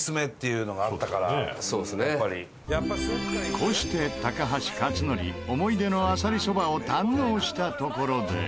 こうして高橋克典思い出のあさりそばを堪能したところで。